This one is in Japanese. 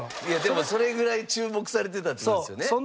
いやでもそれぐらい注目されてたって事ですよね。